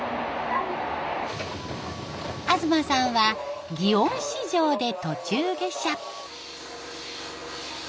東さんは祇園四条で途中下車。